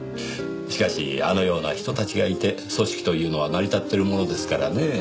しかしあのような人たちがいて組織というのは成り立ってるものですからねぇ。